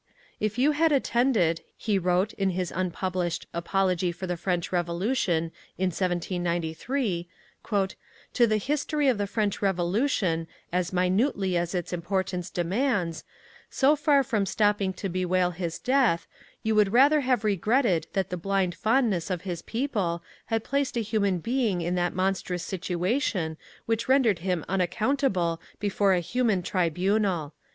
"If you had attended," he wrote in his unpublished Apology for the French Revolution in 1793, "to the history of the French Revolution as minutely as its importance demands, so far from stopping to bewail his death, you would rather have regretted that the blind fondness of his people had placed a human being in that monstrous situation which rendered him unaccountable before a human tribunal."